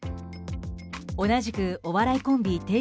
同じくお笑いコンビ